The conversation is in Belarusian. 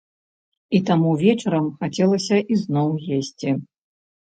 І таму вечарам хацелася ізноў есці.